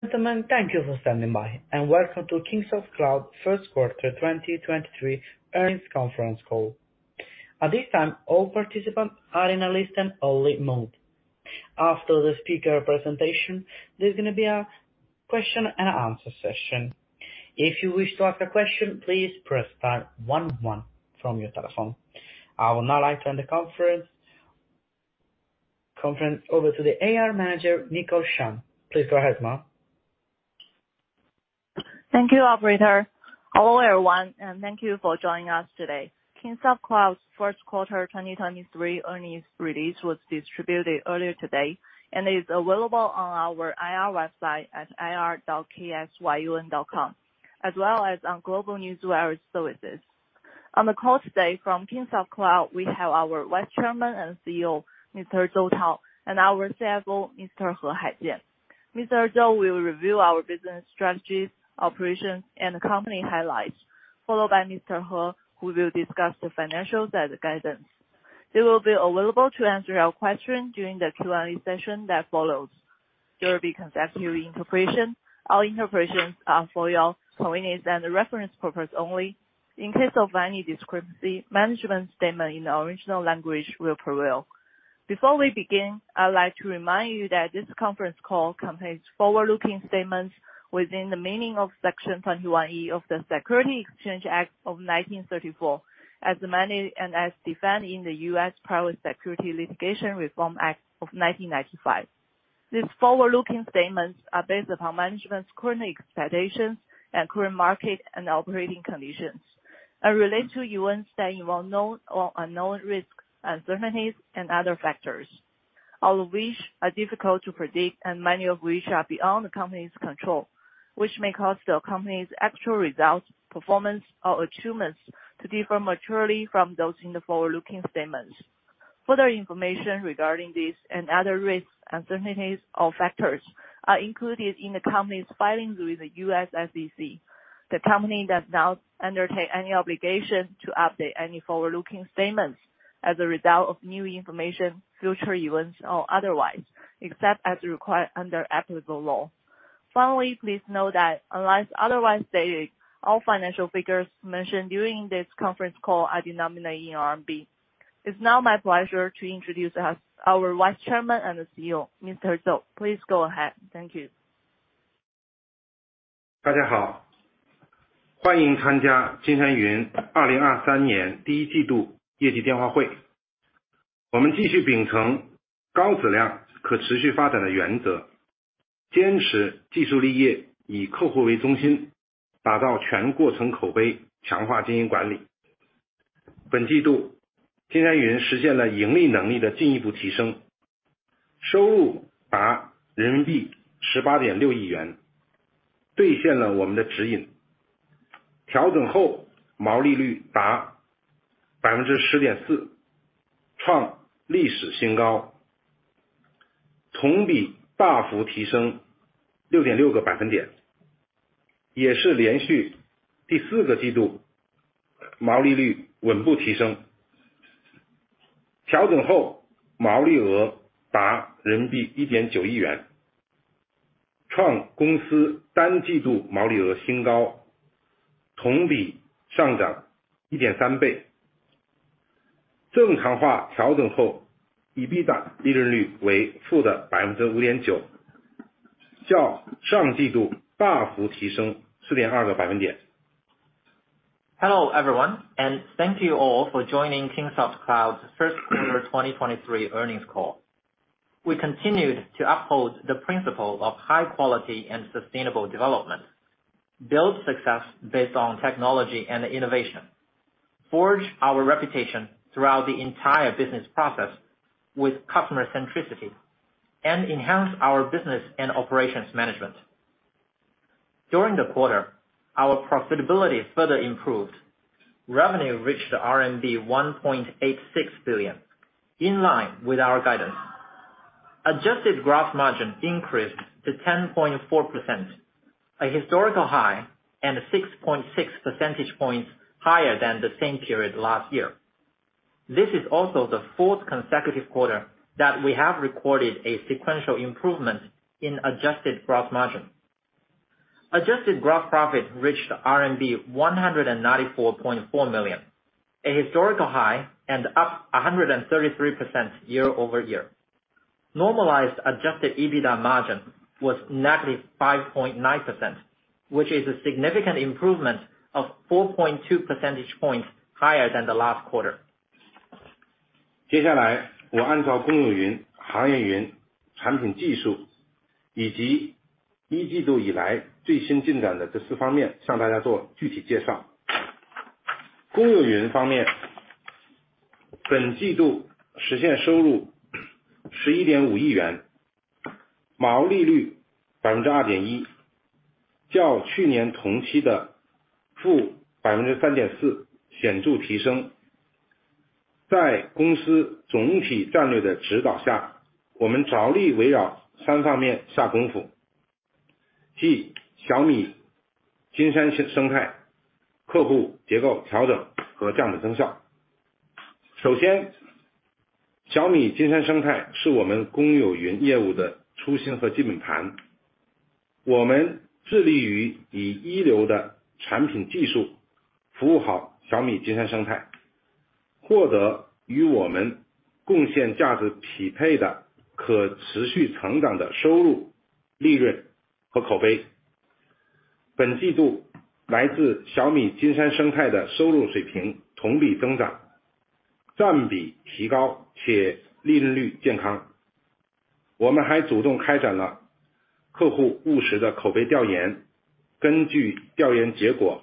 Thank you for standing by, welcome to Kingsoft Cloud First Quarter 2023 Earnings Conference Call. At this time, all participants are in a listen only mode. After the speaker presentation, there's going to be a question and answer session. If you wish to ask a question, please press star one one from your telephone. I would now like to hand the conference over to the IR Manager, Nicole Shan. Please go ahead, ma'am. Thank you operator. Hello, everyone, and thank you for joining us today. Kingsoft Cloud's first quarter 2023 earnings release was distributed earlier today and is available on our IR website at ir.ksyun.com, as well as on global newswire services. On the call today, from Kingsoft Cloud, we have our Vice Chairman and CEO, Mr. ZOU Tao, and our CFO, Mr. He Haijian. Mr. ZOU will review our business strategies, operations, and company highlights, followed by Mr. He, who will discuss the financials and the guidance. They will be available to answer your questions during the Q&A session that follows. There will be consecutive interpretation. All interpretations are for your convenience and reference purpose only. In case of any discrepancy, management statement in the original language will prevail. Before we begin, I'd like to remind you that this conference call contains forward-looking statements within the meaning of Section 21E of the Securities Exchange Act of 1934, as amended and as defined in the U.S. Private Securities Litigation Reform Act of 1995. These forward-looking statements are based upon management's current expectations and current market and operating conditions and relate to events that involve known or unknown risks, uncertainties, and other factors, all of which are difficult to predict and many of which are beyond the company's control, which may cause the company's actual results, performance or achievements to differ materially from those in the forward-looking statements. Further information regarding these and other risks, uncertainties or factors are included in the company's filings with the U.S. SEC. The company does not undertake any obligation to update any forward-looking statements as a result of new information, future events, or otherwise, except as required under applicable law. Finally, please note that unless otherwise stated, all financial figures mentioned during this conference call are denominated in RMB. It's now my pleasure to introduce our Vice Chairman and CEO, Mr. ZOU. Please go ahead. Thank you. 首 先， 小米金山生态是我们公有云业务的初心和基本盘。我们致力于以一流的产品技术服务好小米金山生态，获得与我们贡献价值匹配的可持续成长的收入、利润和口碑。本季度来自小米金山生态的收入水平同比增 长， 占比提 高， 且利润率健康。我们还主动开展了客户务实的口碑调 研， 根据调研结果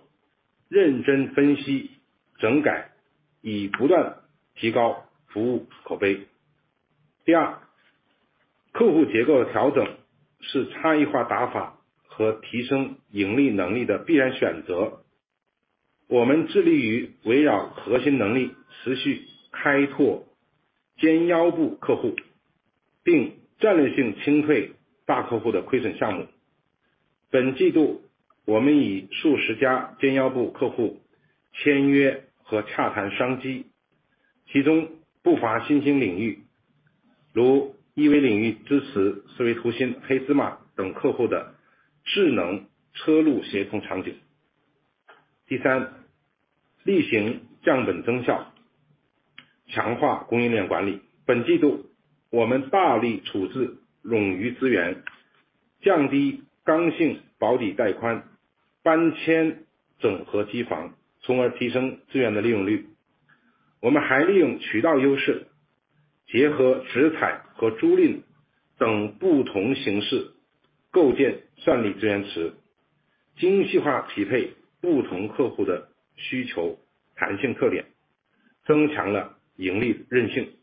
认真分析整改，以不断提高服务口碑。第 二， 客户结构的调整是差异化打法和提升盈利能力的必然选择。我们致力于围绕核心能力持续开拓肩腰部客 户， 并战略性清退大客户的亏损项目。本季度我们以数十家肩腰部客户签约和洽谈商 机， 其中不乏新兴领 域， 如 EV 领域支持思维图新、黑芝麻等客户的智能车路协同场景。第 三， 厉行降本增 效， 强化供应链管理。本季度我们大力处置冗余资 源， 降低刚性保底带 宽， 搬迁整合机房，从而提升资源的利用率。我们还利用渠道优 势， 结合直采和租赁等不同形式构建战略资源 池， 精细化匹配不同客户的需求弹性特 点， 增强了盈利韧性。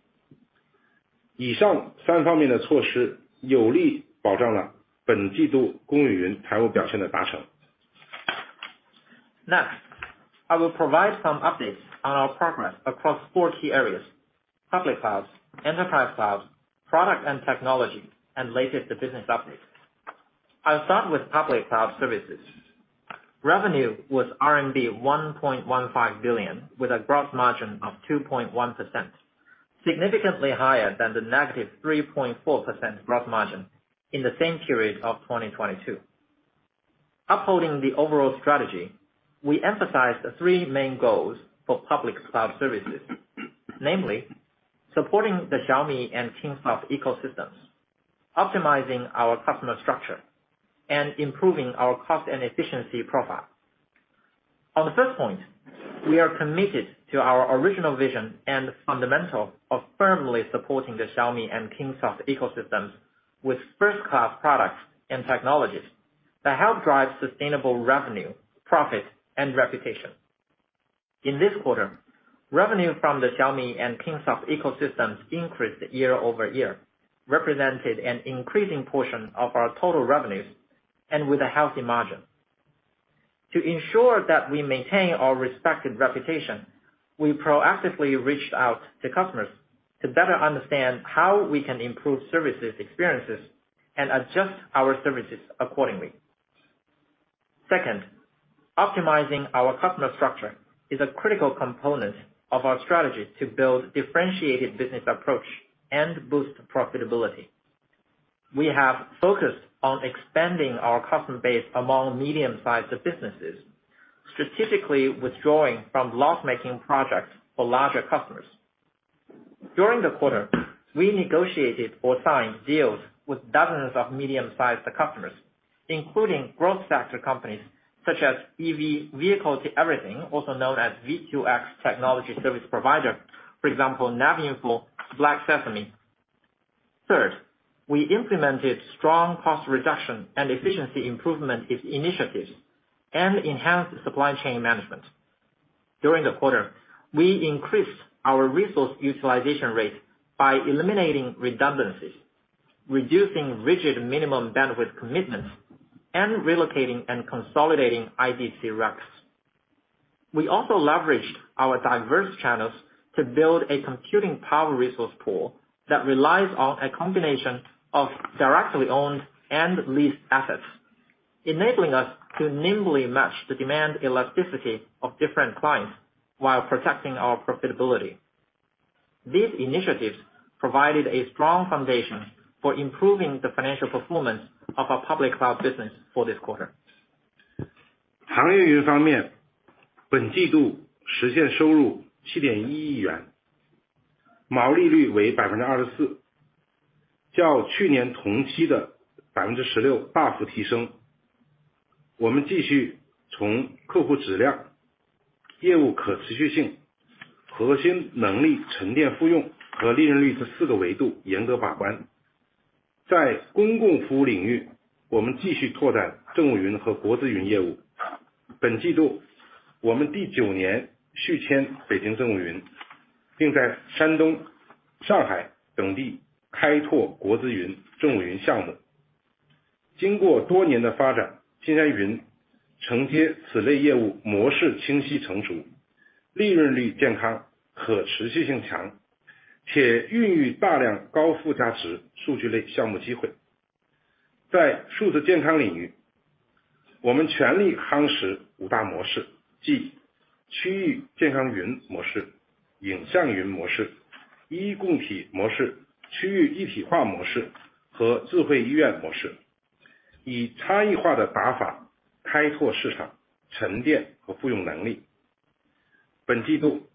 以上三方面的措施有力保障了本季度公有云财务表现的达成。Next, I will provide some updates on our progress across four key areas: public cloud, enterprise cloud, product and technology, and latest business updates. I'll start with public cloud services. Revenue was RMB 1.15 billion with a gross margin of 2.1%, significantly higher than the -3.4% gross margin in the same period of 2022. Upholding the overall strategy, we emphasize the three main goals for public cloud services, namely supporting the Xiaomi and Kingsoft ecosystems, optimizing our customer structure, and improving our cost and efficiency profile. On the first point, we are committed to our original vision and fundamental of firmly supporting the Xiaomi and Kingsoft ecosystems with first-class products and technologies that help drive sustainable revenue, profit and reputation. In this quarter, revenue from the Xiaomi and Kingsoft ecosystems increased year-over-year, represented an increasing portion of our total revenues, and with a healthy margin. To ensure that we maintain our respected reputation, we proactively reached out to customers to better understand how we can improve services experiences and adjust our services accordingly. Second, optimizing our customer structure is a critical component of our strategy to build differentiated business approach and boost profitability. We have focused on expanding our customer base among medium-sized businesses, strategically withdrawing from loss-making projects for larger customers. During the quarter, we negotiated or signed deals with dozens of medium-sized customers, including growth sector companies such as EV Vehicle-to-Everything, also known as V2X technology service provider. For example, NavInfo, Black Sesame. Third, we implemented strong cost reduction and efficiency improvement initiatives and enhanced supply chain management. During the quarter, we increased our resource utilization rate by eliminating redundancies, reducing rigid minimum bandwidth commitments, and relocating and consolidating IDC racks. We also leveraged our diverse channels to build a computing power resource pool that relies on a combination of directly owned and leased assets, enabling us to nimbly match the demand elasticity of different clients while protecting our profitability. These initiatives provided a strong foundation for improving the financial performance of our public cloud business for this quarter. 行业云方 面， 本季度实现收入七点一亿 元， 毛利率为百分之二十 四， 较去年同期的百分之十六大幅提升。我们继续从客户质量、业务可持续性、核心能力沉淀复用和利润率这四个维度严格把关。在公共服务领 域， 我们继续拓展政务云和国资云业务。本季度我们第九年续签北京政务 云， 并在山东、上海等地开拓国资云政务云项目。经过多年的发 展， 金山云承接此类业务模式清晰成 熟， 利润率健 康， 可持续性强，且孕育大量高附加值数据类项目机会。在数字健康领 域， 我们全力夯实五大模 式， 即区域健康云模式、影像云模式、医共体模式、区域一体化模式和智慧医院模 式， 以差异化的打法开拓市 场， 沉淀和附用能力。本季度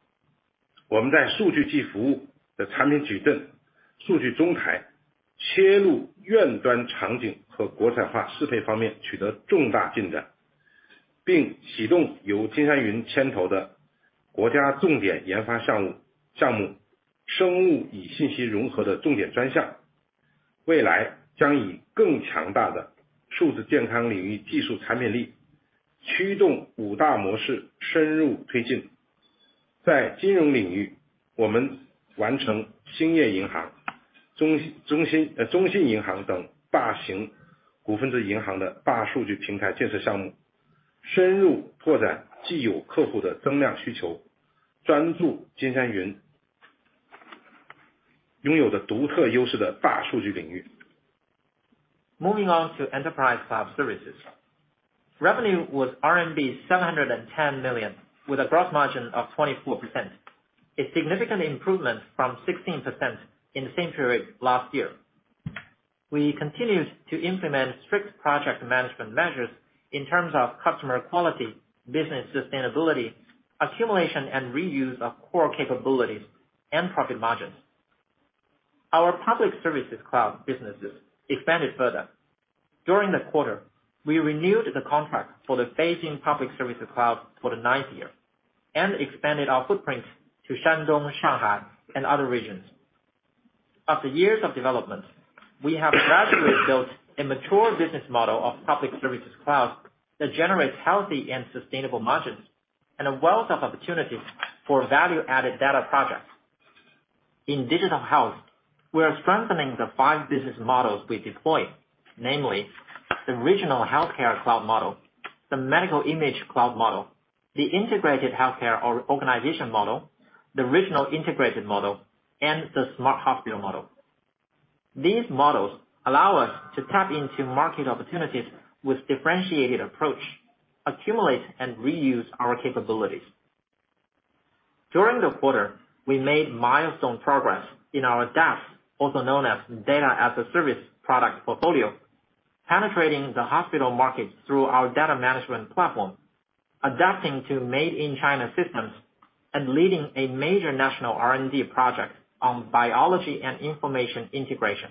我们在数据技服务的产品矩阵、数据中台、切入院端场景和国产化适配方面取得重大进 展， 并启动由金山云牵头的国家重点研发项 目， 项目生物与信息融合的重点专项。未来将以更强大的数字健康领域技术产品 力， 驱动五大模式深入推进。在金融领 域， 我们完成兴业银 行， 中-中心-中信银行等大型股份制银行的大数据平台建设项 目， 深入拓展既有客户的增量需 求， 专注金山云拥有的独特优势的大数据领域。Moving on to enterprise cloud services. Revenue was RMB 710 million with a gross margin of 24%, a significant improvement from 16% in the same period last year. We continued to implement strict project management measures in terms of customer quality, business sustainability, accumulation and reuse of core capabilities and profit margins. Our public services cloud businesses expanded further. During the quarter, we renewed the contract for the Beijing Public Service Cloud for the ninth year, and expanded our footprints to Shandong, Shanghai and other regions. After years of development, we have gradually built a mature business model of public services cloud that generates healthy and sustainable margins and a wealth of opportunities for value added data projects. In digital health, we are strengthening the five business models we deployed, namely the regional healthcare cloud model, the medical image cloud model, the integrated healthcare organization model, the regional integrated model, and the smart hospital model. These models allow us to tap into market opportunities with differentiated approach, accumulate and reuse our capabilities. During the quarter, we made milestone progress in our DaaS, also known as Data as a Service product portfolio, penetrating the hospital markets through our data management platform, adapting to Made in China systems and leading a major national R&D project on biology and information integration.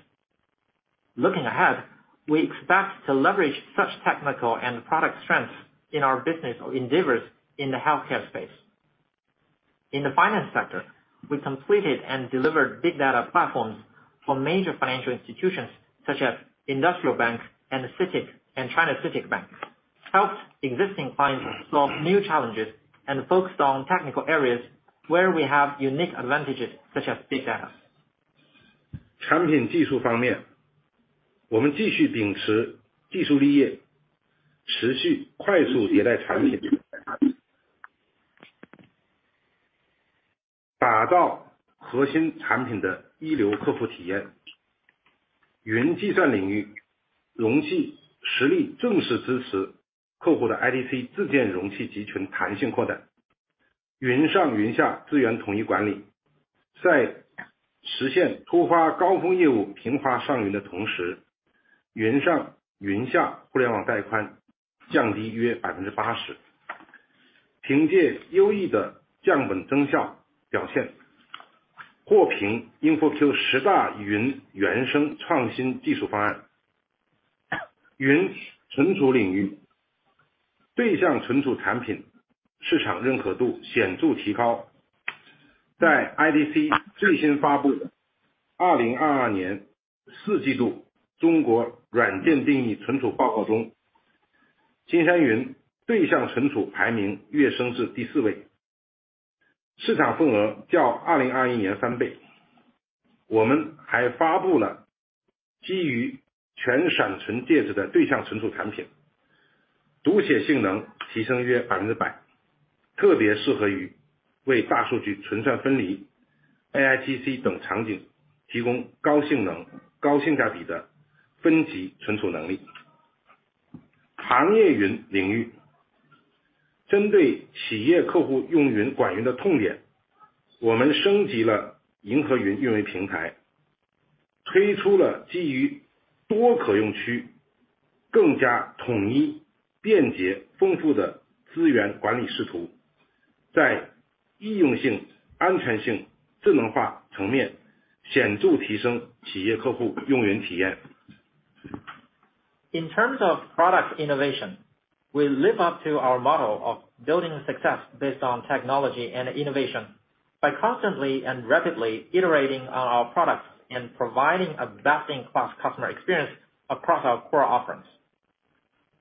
Looking ahead, we expect to leverage such technical and product strengths in our business endeavors in the healthcare space. In the finance sector, we completed and delivered big data platforms for major financial institutions such as Industrial Bank and China CITIC Bank, helped existing clients solve new challenges, and focused on technical areas where we have unique advantages such as big data. 产品技术方 面， 我们继续秉持技术立 业， 持续快速迭代产 品， 打造核心产品的一流客户体验。云计算领 域， 容器实例正式支持客户的 IDC 自建容器集群弹性扩 展， 云上云下资源统一管理。在实现突发高峰业务平滑上云的同 时， 云上云下互联网带宽降低约百分之八十。凭借优异的降本增效表 现， 获评 InfoQ 十大云原生创新技术方案。云存储领域对象存储产品市场认可度显著提高。在 IDC 最新发布的二零二二年四季度中国软件定义存储报告 中， 金山云对象存储排名跃升至第四 位， 市场份额较二零二一年三倍。我们还发布了基于全闪存介质的对象存储产品，读写性能提升约百分之 百， 特别适合于为大数据存算分离、AICC 等场景提供高性能高性价比的分级存储能力。行业云领域。针对企业客户用云管云的痛 点， 我们升级了银河云运维平 台， 推出了基于多可用区更加统一、便捷、丰富的资源管理视图。在易用性、安全性、智能化层面显著提升企业客户用云体验。In terms of product innovation, we live up to our model of building success based on technology and innovation by constantly and rapidly iterating on our products and providing a best-in-class customer experience across our core offerings.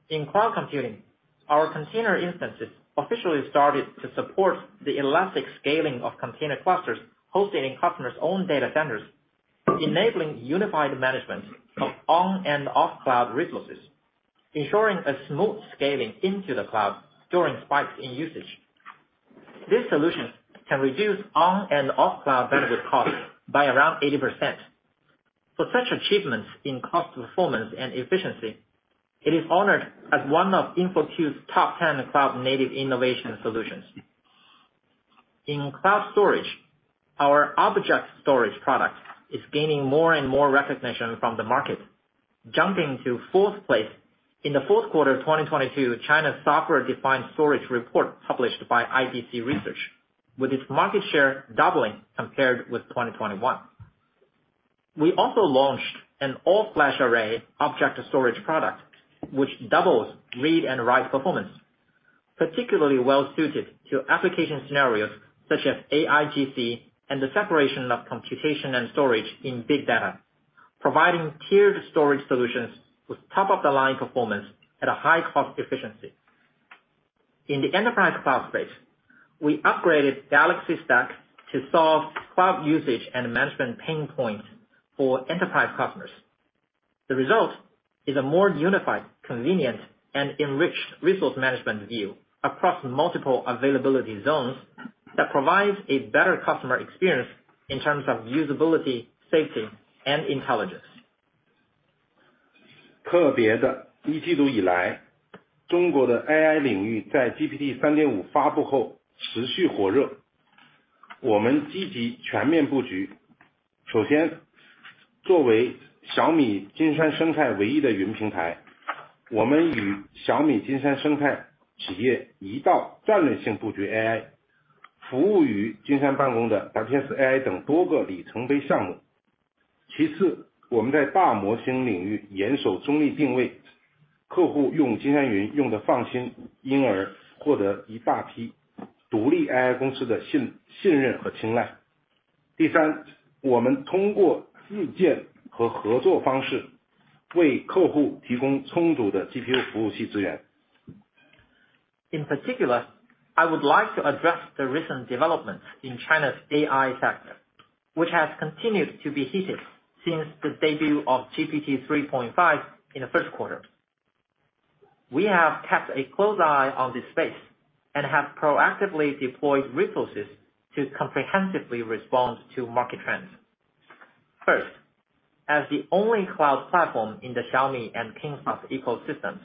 In cloud computing, our Container Instances officially started to support the elastic scaling of container clusters hosting in customers' own data centers, enabling unified management of on and off cloud resources, ensuring a smooth scaling into the cloud during spikes in usage. This solution can reduce on and off cloud bandwidth costs by around 80%. For such achievements in cost performance and efficiency, it is honored as one of InfoQ's top 10 cloud native innovation solutions. In cloud storage, our Object Storage product is gaining more and more recognition from the market, jumping to fourth place in the fourth quarter of 2022 China Software-Defined Storage Report published by IDC, with its market share doubling compared with 2021. We also launched an all-flash array Object Storage product, which doubles read and write performance, particularly well-suited to application scenarios such as AIGC and the separation of computation and storage in big data, providing tiered storage solutions with top-of-the-line performance at a high cost efficiency. In the enterprise cloud space, we upgraded Galaxy Stack to solve cloud usage and management pain point for enterprise customers. The result is a more unified, convenient, and enriched resource management view across multiple availability zones that provides a better customer experience in terms of usability, safety, and intelligence. In particular, I would like to address the recent developments in China's AI sector, which has continued to be heated since the debut of GPT-3.5 in the first quarter. We have kept a close eye on this space, and have proactively deployed resources to comprehensively respond to market trends. First, as the only cloud platform in the Xiaomi and Kingsoft ecosystems,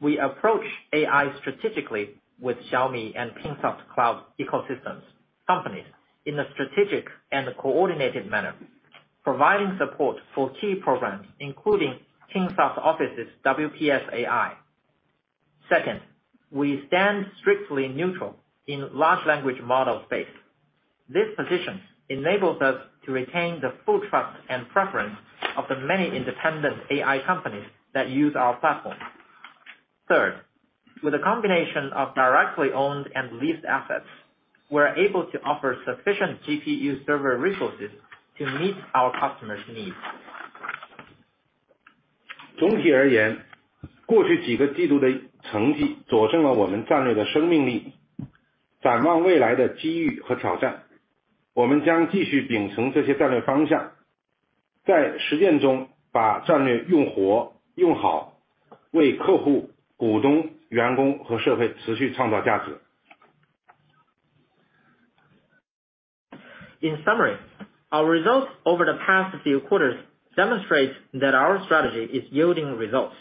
we approach AI strategically with Xiaomi and Kingsoft Cloud ecosystems companies in a strategic and coordinated manner, providing support for key programs including Kingsoft Office's WPS AI. Second, we stand strictly neutral in large language model space. This position enables us to retain the full trust and preference of the many independent AI companies that use our platform. Third, with a combination of directly owned and leased assets, we're able to offer sufficient GPU server resources to meet our customers' needs. In summary, our results over the past few quarters demonstrate that our strategy is yielding results.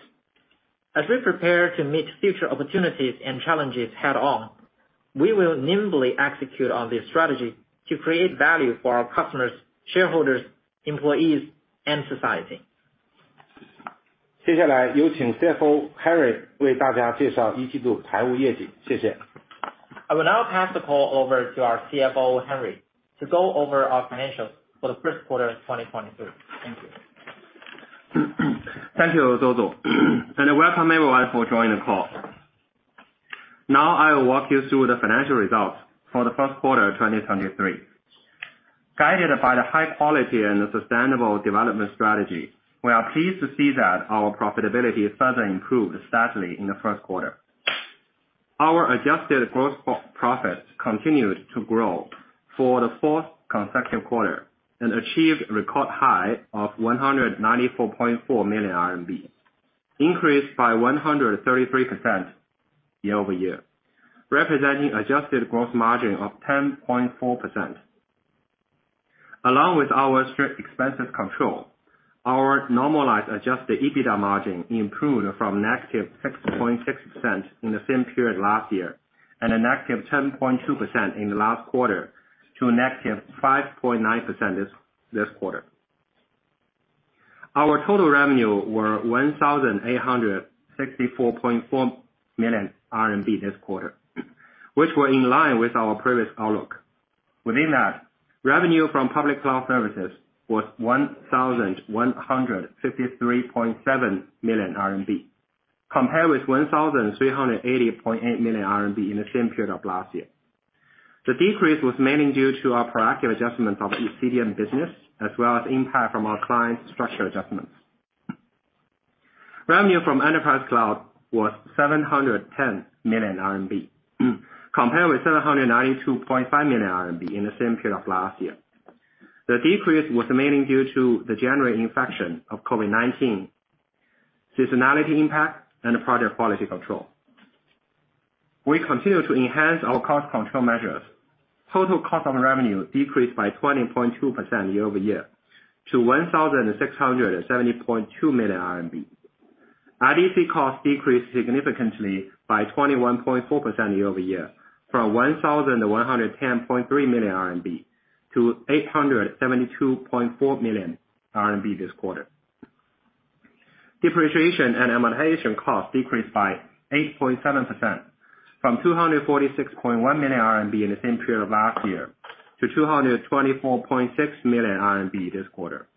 As we prepare to meet future opportunities and challenges head on, we will nimbly execute on this strategy to create value for our customers, shareholders, employees, and society. I will now pass the call over to our CFO Henry to go over our financials for the first quarter of 2023. Thank you. Thank you, Dodo. Welcome everyone for joining the call. Now I will walk you through the financial results for the first quarter of 2023. Guided by the high quality and the sustainable development strategy, we are pleased to see that our profitability further improved steadily in the first quarter. Our adjusted gross profits continued to grow for the fourth consecutive quarter, and achieved record high of 194.4 million RMB, increased by 133% year-over-year, representing adjusted gross margin of 10.4%. Along with our strict expenses control, our normalized adjusted EBITDA margin improved from -6.6% in the same period last year, and a -10.2% in the last quarter to a -5.9% this quarter. Our total revenue were 1,864.4 million RMB this quarter, which were in line with our previous outlook. Within that, revenue from public cloud services was 1,153.7 million RMB, compared with 1,380.8 million RMB in the same period of last year. The decrease was mainly due to our proactive adjustments of the CDN business, as well as impact from our client's structure adjustments. Revenue from enterprise cloud was 710 million RMB, compared with 792.5 in the same period of last year. The decrease was mainly due to the January infection of COVID-19, seasonality impact, and product quality control. We continue to enhance our cost control measures. Total cost of revenue decreased by 20.2% year-over-year to RMB 1,670.2 million. IDC costs decreased significantly by 21.4% year-over-year from 1,110.3 million RMB to 872.4 million RMB this quarter. Depreciation and amortization costs decreased by 8.7% from 246.1 million RMB in the same period of last year to 224.6 million RMB this quarter.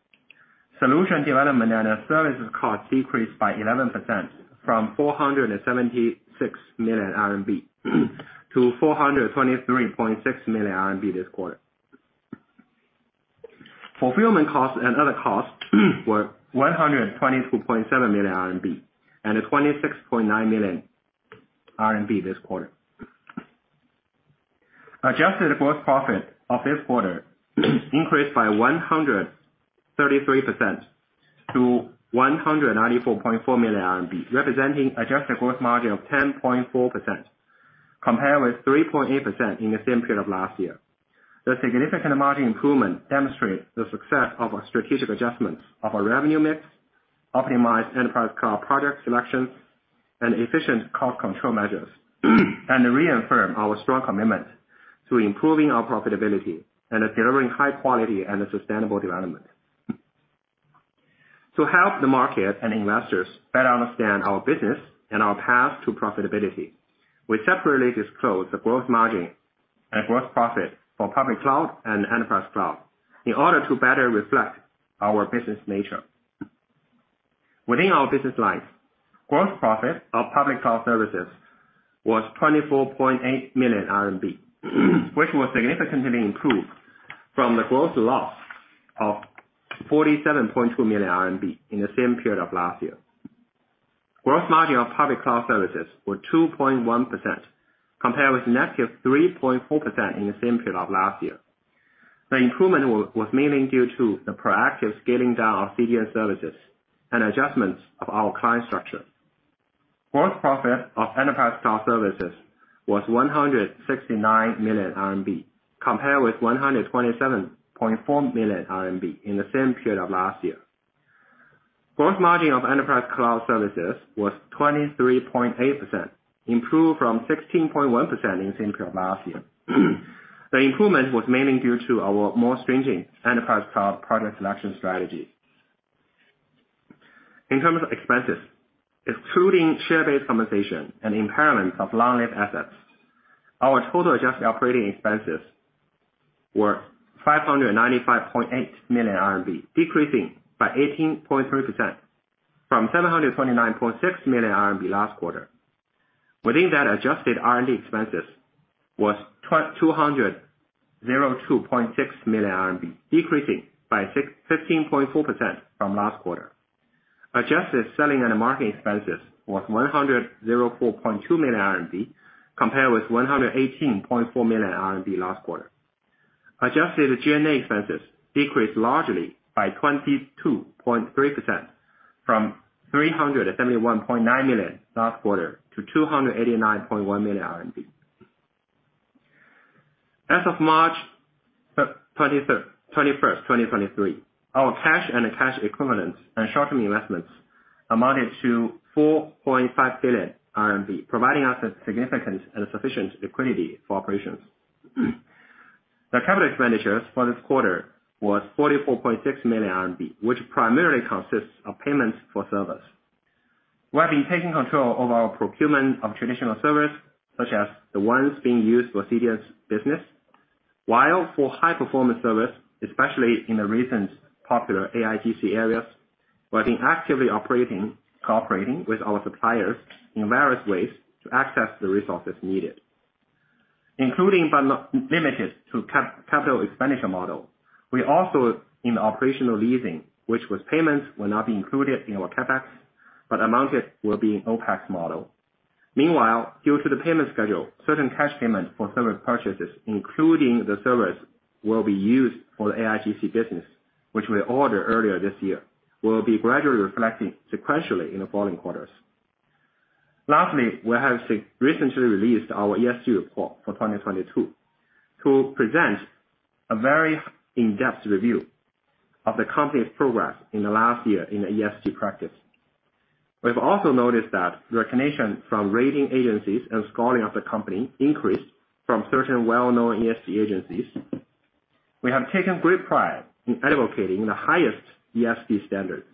Solution development and services costs decreased by 11% from 476 million RMB to 423.6 million RMB this quarter. Fulfillment costs and other costs were 122.7 million RMB and 26.9 million RMB this quarter. Adjusted gross profit of this quarter increased by 133% to 194.4 million RMB, representing adjusted gross margin of 10.4% compared with 3.8% in the same period of last year. The significant margin improvement demonstrates the success of our strategic adjustments of our revenue mix, optimized enterprise cloud product selections, and efficient cost control measures and reaffirm our strong commitment to improving our profitability and delivering high quality and a sustainable development. To help the market and investors better understand our business and our path to profitability, we separately disclose the gross margin and gross profit for public cloud and enterprise cloud in order to better reflect our business nature. Within our business lines, Gross profit of public cloud services was 24.8 million RMB, which was significantly improved from the gross loss of 47.2 million RMB in the same period of last year. Gross margin of public cloud services were 2.1% compared with -3.4% in the same period of last year. The improvement was mainly due to the proactive scaling down of CDN services and adjustments of our client structure. Gross profit of enterprise cloud services was 169 million RMB, compared with 127.4 million RMB in the same period of last year. Gross margin of enterprise cloud services was 23.8%, improved from 16.1% in the same period of last year. The improvement was mainly due to our more stringent enterprise cloud product selection strategy. In terms of expenses, excluding share-based compensation and impairment of long-lived assets, our total adjusted operating expenses were 595.8 million RMB, decreasing by 18.3% from 729.6 million RMB last quarter. Within that, adjusted R&D expenses was 202.6 million RMB, decreasing by 15.4% from last quarter. Adjusted selling and marketing expenses was 104.2 million RMB compared with 118.4 million RMB last quarter. Adjusted G&A expenses decreased largely by 22.3% from 371.9 million last quarter to 289.1 million RMB. As of March 21st, 2023, our cash and cash equivalents and short-term investments amounted to 4.5 billion RMB, providing us with significant and sufficient liquidity for operations. The capital expenditures for this quarter was 44.6 million RMB, which primarily consists of payments for servers. We have been taking control of our procurement of traditional servers, such as the ones being used for CDN business. While for high-performance servers, especially in the recent popular AIGC areas, we have been actively cooperating with our suppliers in various ways to access the resources needed. Including but not limited to capital expenditure model, we also in the operational leasing, which was payments will now be included in our CapEx, but amounted will be an OpEx model. Meanwhile, due to the payment schedule, certain cash payments for server purchases, including the servers, will be used for the AIGC business, which we ordered earlier this year, will be gradually reflecting sequentially in the following quarters. Lastly, we have recently released our ESG report for 2022 to present a very in-depth review of the company's progress in the last year in the ESG practice. We've also noticed that recognition from rating agencies and scoring of the company increased from certain well-known ESG agencies. We have taken great pride in advocating the highest ESG standards.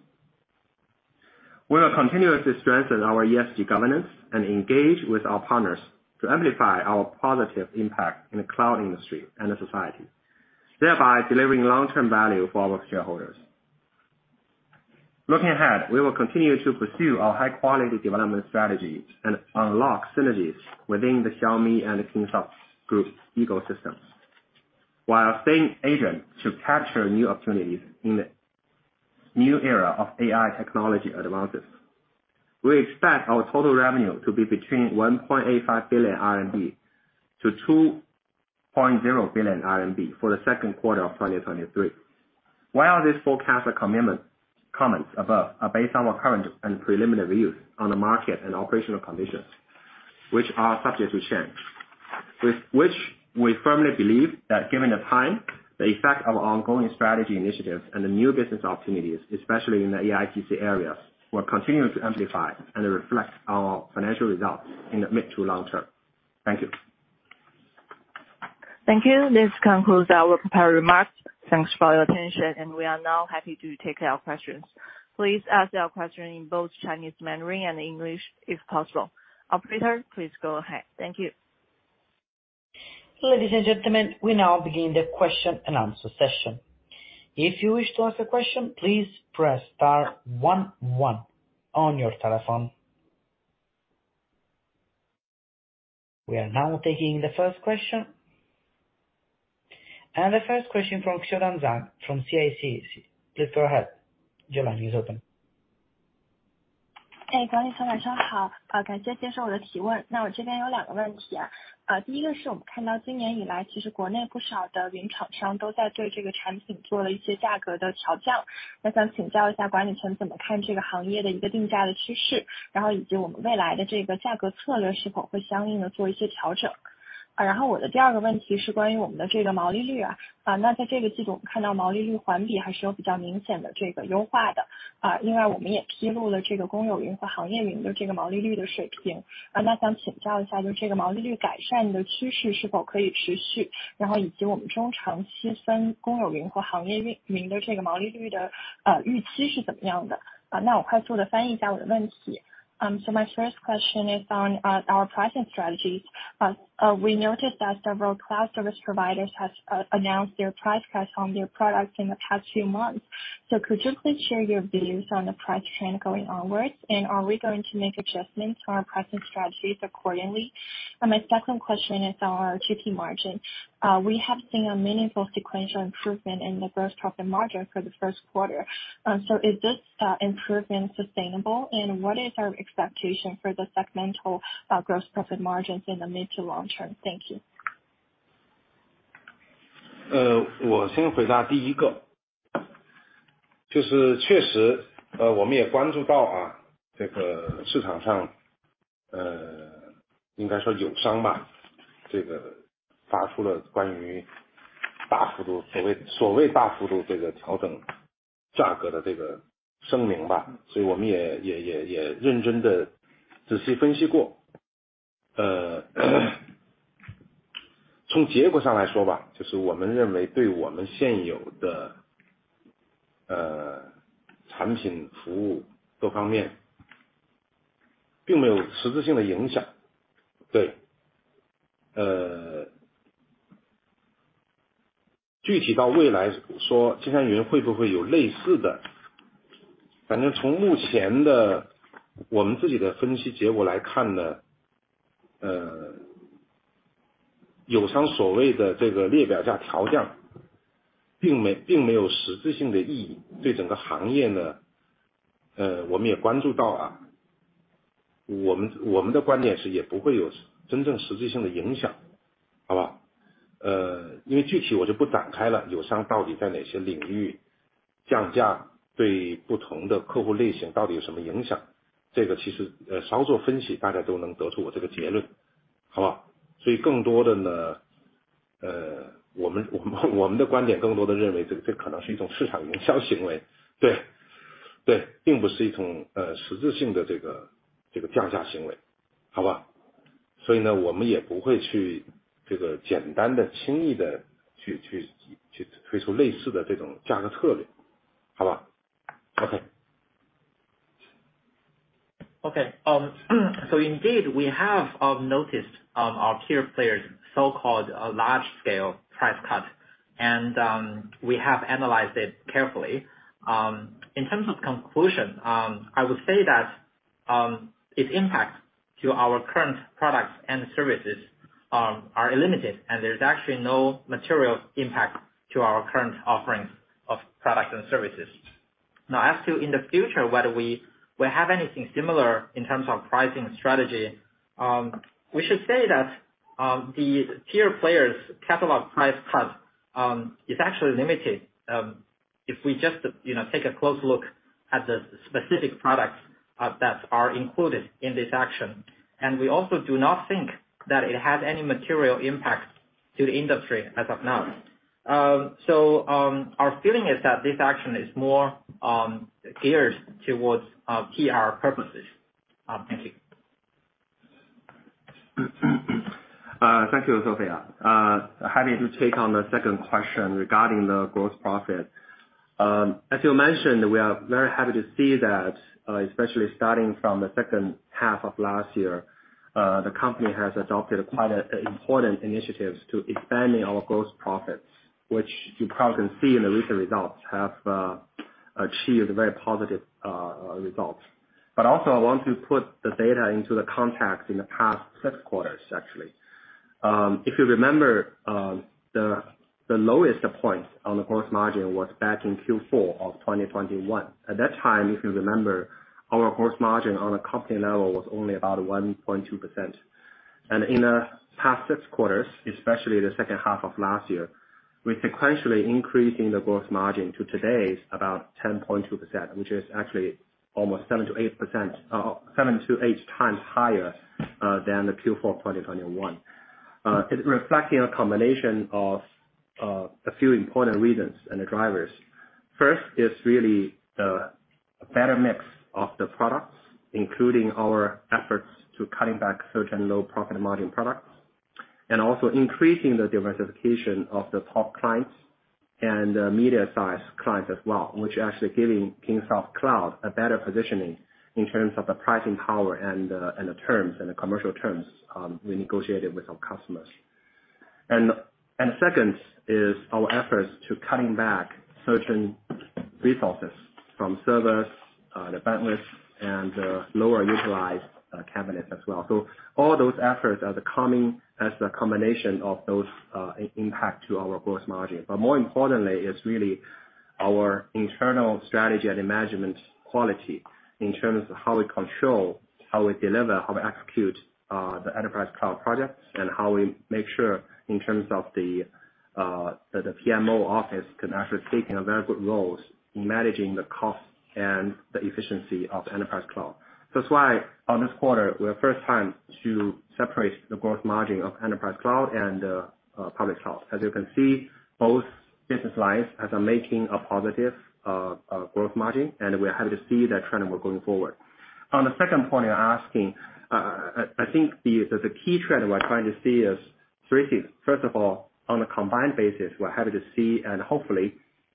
We will continuously strengthen our ESG governance and engage with our partners to amplify our positive impact in the cloud industry and the society, thereby delivering long-term value for our shareholders. Looking ahead, we will continue to pursue our high-quality development strategy and unlock synergies within the Xiaomi and the Kingsoft group ecosystems while staying agent to capture new opportunities in the new era of AI technology advances. We expect our total revenue to be between 1.85 billion-2.0 billion RMB for the second quarter of 2023. While this forecast comments above are based on our current and preliminary views on the market and operational conditions, which are subject to change. With which we firmly believe that given the time, the effect of our ongoing strategy initiatives and the new business opportunities, especially in the AI PC areas, will continue to amplify and reflect our financial results in the mid to long term. Thank you. Thank you. This concludes our prepared remarks. Thanks for your attention and we are now happy to take our questions. Please ask your question in both Chinese Mandarin and English if possible. Operator, please go ahead. Thank you. Ladies and gentlemen, we now begin the question and answer session. If you wish to ask a question, please press star one one on your telephone. We are now taking the first question. The first question from Xiao Zhang from CICC. Please go ahead. Your line is open. Hey, my first question is on our pricing strategies. We noticed that several cloud service providers has announced their price cuts on their products in the past few months. Could you please share your views on the price trend going onwards, and are we going to make adjustments to our pricing strategies accordingly? My second question is on our TP margin. We have seen a meaningful sequential improvement in the gross profit margin for the first quarter. Is this improvement sustainable, and what is our expectation for the segmental gross profit margins in the mid to long term? Thank you. Okay. Indeed, we have noticed our tier players' so-called large scale price cut, and we have analyzed it carefully. In terms of conclusion, I would say that its impact to our current products and services are limited and there's actually no material impact to our current offerings of products and services. As to in the future, whether we will have anything similar in terms of pricing strategy, we should say that the tier players' catalog price cut is actually limited. If we just, you know, take a close look at the specific products that are included in this action. We also do not think that it has any material impact to the industry as of now. Our feeling is that this action is more geared towards PR purposes. Thank you. Thank you, Sophia. Happy to take on the second question regarding the gross profit. As you mentioned, we are very happy to see that, especially starting from the second half of last year, the company has adopted quite a important initiatives to expanding our gross profits. Which you probably can see in the recent results have achieved very positive results. Also, I want to put the data into the context in the past six quarters, actually. If you remember, the lowest point on the gross margin was back in Q4 of 2021. At that time, if you remember, our gross margin on a company level was only about 1.2%. In the past six quarters, especially the second half of last year, we sequentially increasing the gross margin to today's about 10.2%, which is actually almost 7-8x higher than the Q4 2021. It reflecting a combination of a few important reasons and the drivers. First, is really the better mix of the products, including our efforts to cutting back certain low profit margin products, and also increasing the diversification of the top clients and medium-sized clients as well, which actually giving Kingsoft Cloud a better positioning in terms of the pricing power and the terms, and the commercial terms we negotiated with our customers. Second is our efforts to cutting back certain resources from servers, the bandwidth and the lower utilized cabinets as well. All those efforts are the coming as the combination of those impact to our gross margin. More importantly, it's really our internal strategy and management quality in terms of how we control, how we deliver, how we execute the enterprise cloud products, and how we make sure in terms of the PMO office can actually take a very good roles in managing the cost and the efficiency of enterprise cloud. On this quarter, we are first time to separate the gross margin of enterprise cloud and public cloud. As you can see, both business lines are making a positive gross margin, and we're happy to see that trend more going forward. On the second point you're asking, I think the key trend we're trying to see is three things. First of all, on a combined basis, we're happy to see and hopefully,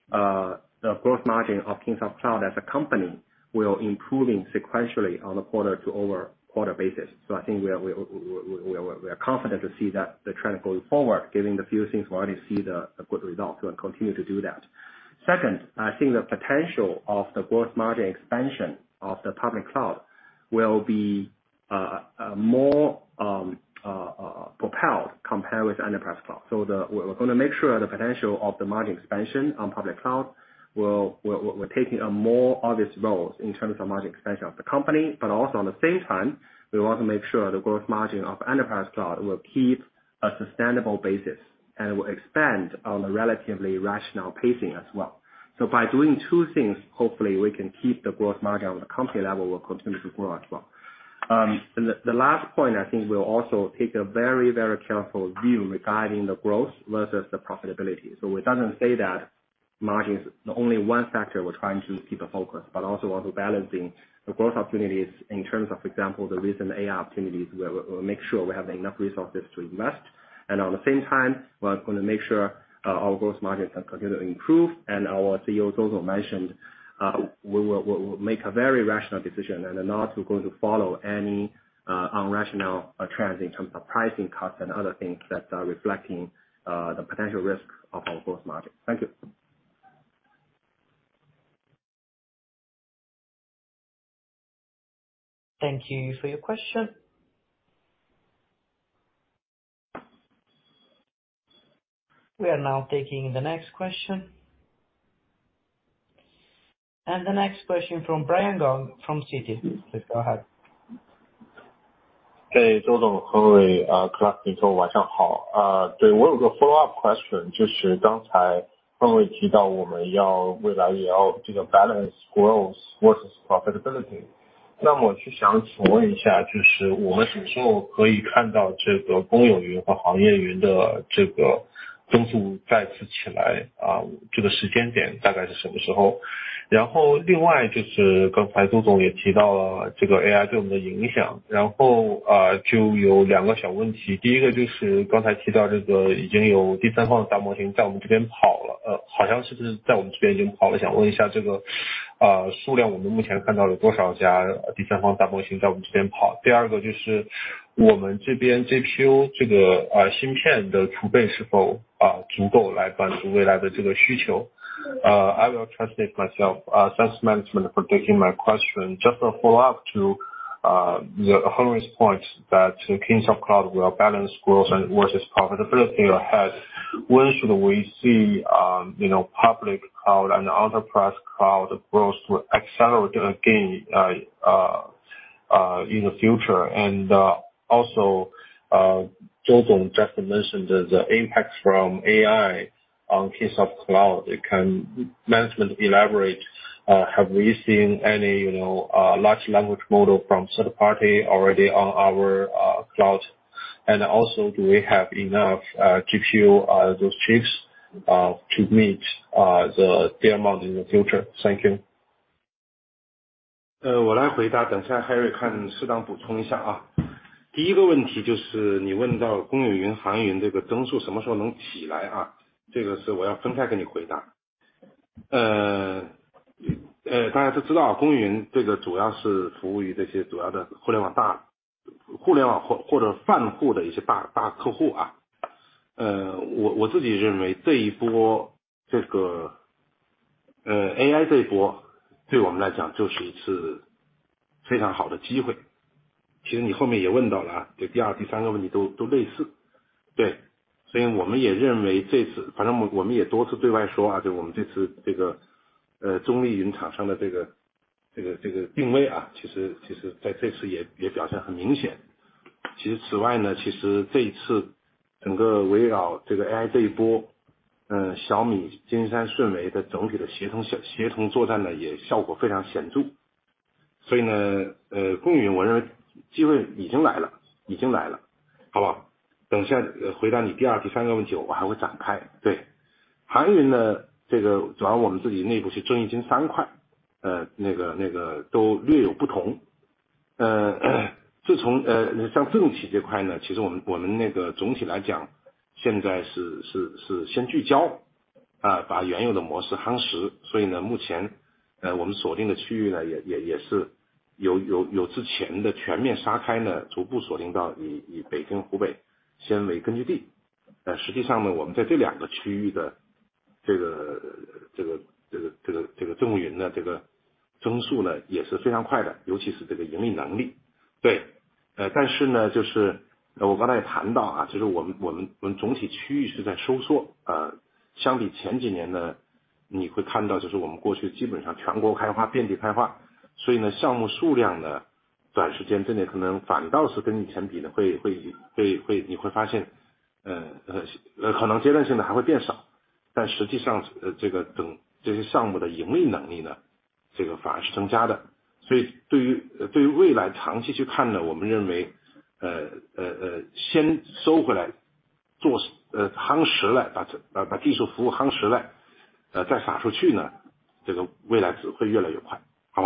the growth margin of Kingsoft Cloud as a company will improving sequentially on a quarter-over-quarter basis. I think we are, we are confident to see that the trend going forward, given the few things we already see the good results and continue to do that. Second, I think the potential of the growth margin expansion of the public cloud will be, more, propelled compared with enterprise cloud. We're gonna make sure the potential of the margin expansion on public cloud we're taking a more obvious role in terms of margin expansion of the company. Also on the same time, we want to make sure the gross margin of enterprise cloud will keep a sustainable basis and will expand on a relatively rational pacing as well. By doing two things, hopefully we can keep the gross margin on the company level will continue to grow as well. The last point, I think we'll also take a very, very careful view regarding the growth versus the profitability. It doesn't say that margin is the only one factor we're trying to keep a focus, but also balancing the growth opportunities in terms of, for example, the recent AI opportunities, where we make sure we have enough resources to invest. On the same time, we're gonna make sure our gross margins are continuing to improve and our CEO also mentioned, we'll make a very rational decision and are not going to follow any irrational trends in terms of pricing cuts and other things that are reflecting the potential risk of our growth margin. Thank you. Thank you for your question. We are now taking the next question. The next question from Brian Gong from Citi. Please go ahead. I will translate myself, thanks management for taking my question. Just a follow-up to the Henry's points that Kingsoft Cloud will balance growth versus profitability ahead. When should we see, you know, public cloud and enterprise cloud growth will accelerate again in the future? Also, Tao ZOU just mentioned the impacts from AI on Kingsoft Cloud. Can management elaborate, have we seen any, you know, large language model from third party already on our cloud? Also do we have enough GPU, those chips, to meet the demand in the future? Thank you. AI 这波对我们来讲就是一次非常好的机会。其实你后面也问到 了， 这 2nd 3rd 个问题都类似。所以我们也认为这次反正我们也多次对外 说， 对我们这次这个中立云厂商的这个定 位， 其实在这次也表现很明显。其实此外 呢， 其实这一次整个围绕这个 AI 这 波， Xiaomi、Kingsoft、Shunwei Capital 的整体的协同作战 呢， 也效果非常显著。所以 呢， 公云我认为机会已经来 了， 好不 好？ 等一下回答你 2nd 3rd 个问题我还会展开。私有云 呢， 这个主要我们自己内部是争议经3 块， 那个都略有不同。自从像政企这块 呢， 其实我们那个总体来讲现在是先聚 焦， 把原有的模式夯实。所以 呢， 目前我们锁定的区域 呢， 也是有之前的全面撒开 呢， 逐步锁定到以 Beijing、Hubei 先为根据地。但实际上 呢， 我们在这2个区域的这个政务云的这个增速呢也是非常快 的， 尤其是这个盈利能力。但是 呢， 就是我刚才也谈 到， 就是我们总体区域是在收缩。相比前几年 呢， 你会看到就是我们过去基本上全国开 发， 遍地开发，所以呢项目数量 呢， 短时间之内可能反倒是跟你前比 呢， 你会发 现， 那个可能阶段性的还会变 少， 但实际上这个等这些项目的盈利能力 呢， 这个反而是增加的。所以对于未来长期去看 呢， 我们认为先收回来做实夯实 了， 把技术服务夯实 了， 再撒出去 呢， 这个未来只会越来越 快， 好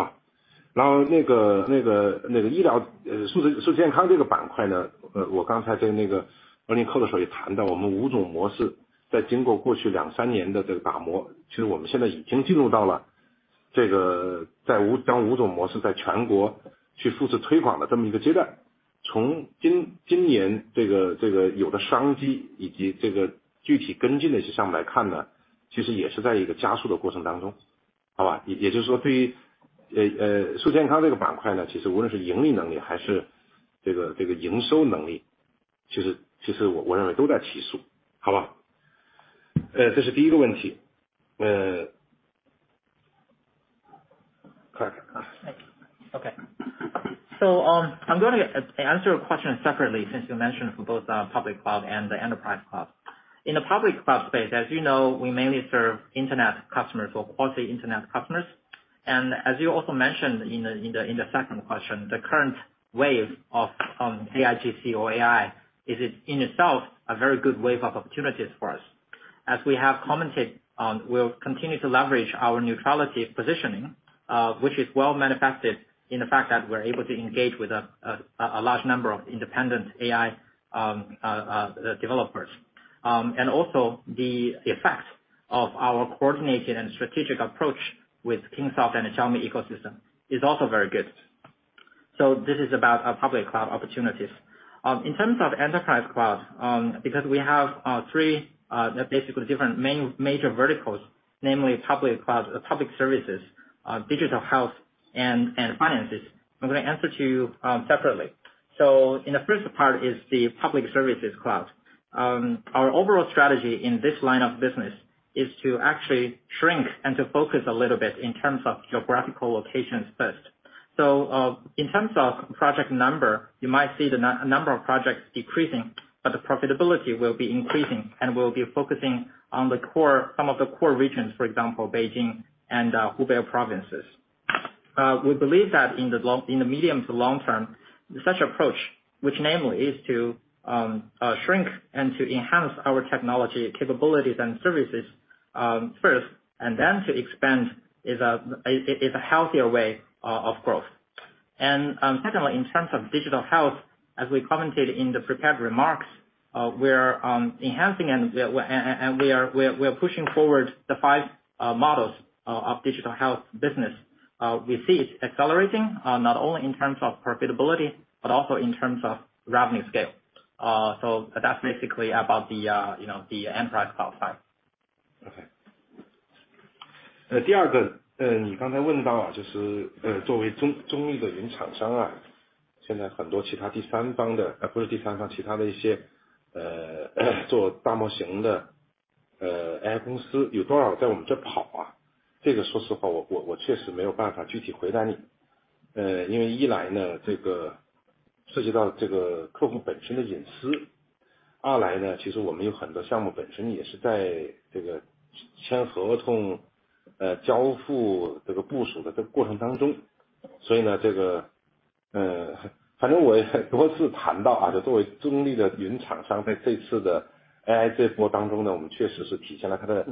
不 好？ 然后那个医疗数智、数健康这个板块 呢， 我刚才在那个 earnings call 的时候也谈 到， 我们5种模式在经过过去 2-3 年的这个打 磨， 其实我们现在已经进入到了这个在 5， 将5种模式在全国去复制推广的这么一个阶段。从今年这个有的商机以及这个具体跟进的一些项目来看 呢， 其实也是在一个加速的过程当 中， 好吧。也就是说对于数健康这个板块 呢， 其实无论是盈利能力还是这个营收能 力， 其实我认为都在起速。好吧。这是 1st 个问题。Thank you. I'm going to answer your question separately since you mentioned for both our public cloud and the enterprise cloud. In the public cloud space as you know we mainly serve Internet customers or Quasi-Internet customers. As you also mentioned in the second question the current wave of AIGC or AI is in itself a very good wave of opportunities for us. As we have commented on we will continue to leverage our neutrality positioning which is well manifested in the fact that we are able to engage with a large number of independent AI developers. The effects of our coordinated and strategic approach with Kingsoft and Xiaomi ecosystem is also very good. This is about our public cloud opportunities. In terms of enterprise cloud, because we have three basically different main major verticals, namely public cloud, public services, digital health and finances. I'm going to answer to you separately. In the first part is the public services cloud. Our overall strategy in this line of business is to actually shrink and to focus a little bit in terms of geographical locations first. In terms of project number you might see the number of projects decreasing, but the profitability will be increasing and we'll be focusing on the core some of the core regions for example Beijing and Hubei provinces. We believe that in the medium to long term such approach which namely is to shrink and to enhance our technology capabilities and services first and then to expand is a healthier way of growth. Secondly in terms of digital health as we commented in the prepared remarks we are enhancing and we are pushing forward the five models of digital health business. We see it accelerating not only in terms of profitability but also in terms of revenue scale. That's basically about the you know the enterprise cloud side. OK。第二 个， 呃你刚才问到 啊， 就是作为中-中立的云厂商 啊， 现在很多其他第三方 的， 呃不是第三 方， 其他的一些呃做大模型的 AI 公 司， 有多少在我们这跑 啊？ 这个说实话我-我确实没有办法具体回答 你， 呃因为一来 呢， 这个涉及到这个客户本身的隐 私， 二来 呢， 其实我们有很多项目本身也是在这个签合同、呃交付这个部署的这个过程当中。所以 呢， 这个呃反正我也多次谈 到， 啊就作为中立的云厂 商， 在这次的 AI 这波当中 呢， 我们确实是体现了它的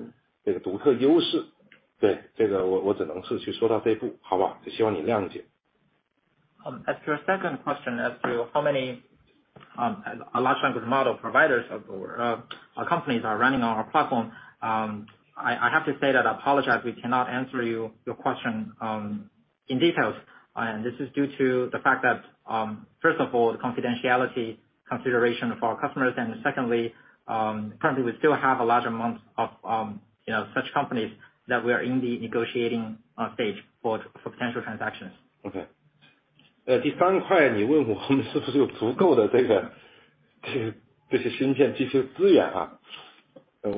这个独特优势。对， 这个我-我只能是去说到这 步， 好不 好？ 也希望你谅解。As to your second question as to how many large language model providers or companies are running on our platform, I have to say that I apologize we cannot answer you your question in details. This is due to the fact that, first of all, the confidentiality consideration of our customers, and secondly, currently we still have a large amount of, you know, such companies that we are in the negotiating stage for potential transactions. Okay.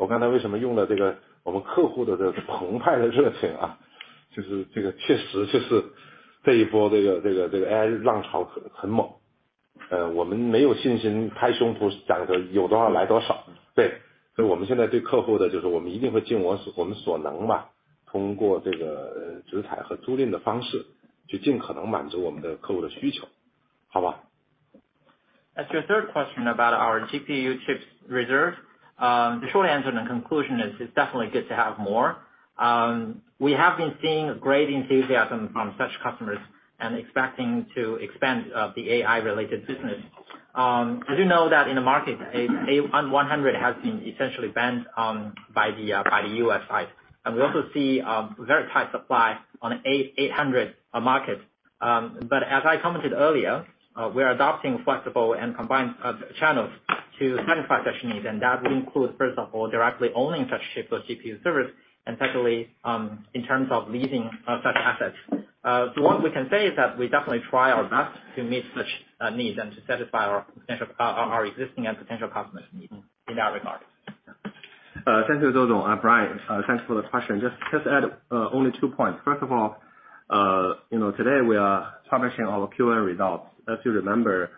As your third question about our GPU chips reserve, the short answer and the conclusion is it's definitely good to have more. We have been seeing great enthusiasm from such customers and expecting to expand the AI-related business. As you know that in the market, A100 has been essentially banned by the U.S. side. We also see very tight supply on A800 market. As I commented earlier, we are adopting flexible and combined channels to satisfy such needs. That will include, first of all, directly owning such ships or GPU servers. Secondly, in terms of leasing such assets. What we can say is that we definitely try our best to meet such needs and to satisfy our potential our existing and potential customers' needs in that regard. Thank you, Brian. Thanks for the question. Just add, only two points. First of all, you know, today we are publishing our Q1 results. As you remember,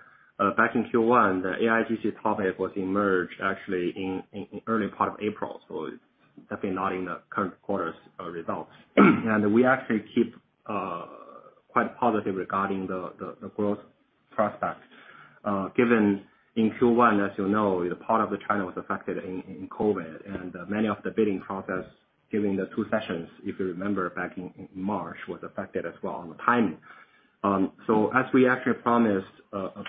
back in Q1, the AIGC topic was emerged actually in early part of April. Definitely not in the current quarter's results. We actually keep quite positive regarding the growth prospects, given in Q1, as you know, the part of the China was affected in COVID. Many of the bidding process during the Two Sessions, if you remember back in March, was affected as well on the timing. As we actually promised,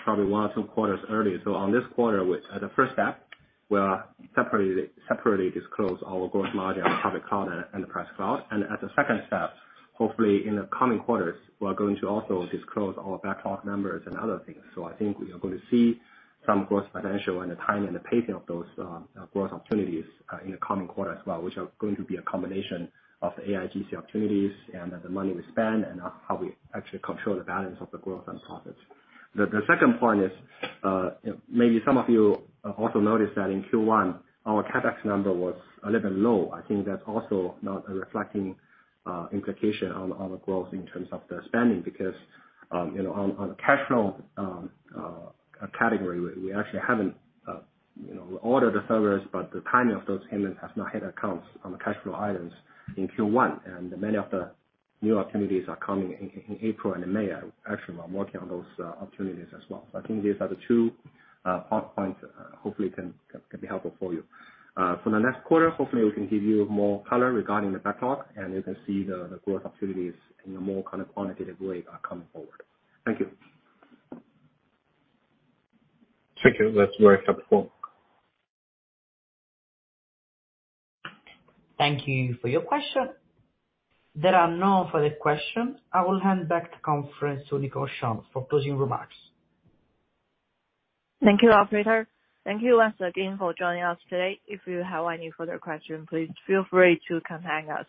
probably one or two quarters earlier, so on this quarter with as a first step, we are separately disclose our gross margin on public cloud and the private cloud. As a second step, hopefully in the coming quarters, we are going to also disclose our backlog numbers and other things. I think we are going to see some growth potential in the timing and the pacing of those growth opportunities in the coming quarter as well, which are going to be a combination of AIGC opportunities and the money we spend and how we actually control the balance of the growth and profits. The second point is, maybe some of you also noticed that in Q1 our CapEx number was a little low. I think that's also not a reflecting implication on the growth in terms of the spending because, you know, on a cash flow category, we actually haven't, you know, ordered the servers, but the timing of those payments has not hit accounts on the cash flow items in Q1. Many of the new opportunities are coming in April and in May, are actually are working on those opportunities as well. I think these are the two hot points, hopefully can be helpful for you. For the next quarter, hopefully we can give you more color regarding the backlog, and you can see the growth opportunities in a more kind of quantitative way are coming forward. Thank you. Thank you. That's very helpful. Thank you for your question. There are no further questions. I will hand back the conference to Nicole Shan for closing remarks. Thank you, operator. Thank you once again for joining us today. If you have any further questions, please feel free to contact us.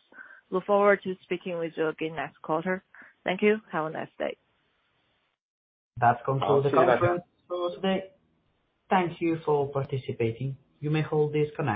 Look forward to speaking with you again next quarter. Thank you. Have a nice day. That concludes the conference call today. Thank you for participating. You may hold this conference...